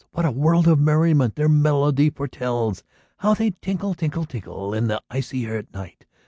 What a world of merriment their melody foretells! How they tinkle, tinkle, tinkle, In the icy air of night!